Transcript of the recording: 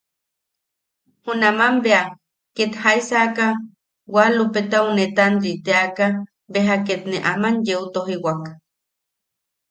Junaman bea, ket jaisaka Walupetau netanri teaka beja ket ne aman yeu tojiwak.